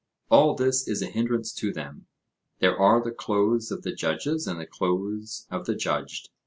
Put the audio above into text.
All this is a hindrance to them; there are the clothes of the judges and the clothes of the judged.